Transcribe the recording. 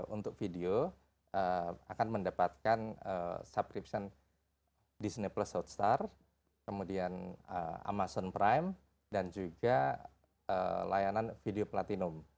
untuk video akan mendapatkan subcription disney plus hotstar kemudian amazon prime dan juga layanan video platinum